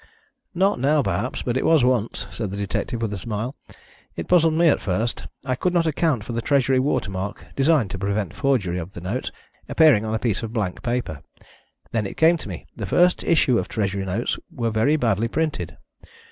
"Not now, perhaps, but it was once," said the detective with a smile. "It puzzled me at first. I could not account for the Treasury watermark, designed to prevent forgery of the notes, appearing on a piece of blank paper. Then it came to me. The first issue of Treasury notes were very badly printed.